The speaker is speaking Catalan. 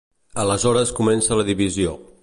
Aleshores comença la divisió.